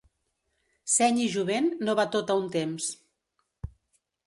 Seny i jovent, no va tot a un temps.